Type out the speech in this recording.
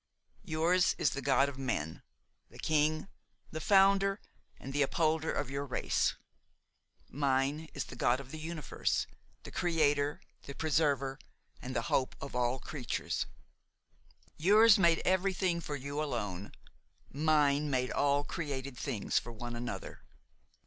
Yours is the God of men, the king, the founder and the upholder of your race; mine is the God of the universe, the creator, the preserver and the hope of all creatures. Yours made everything for you alone; mine made all created things for one another.